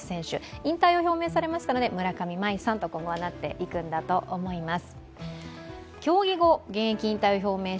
引退を表明されましたので、村上茉愛さんと、今後はなっていくんだと思います。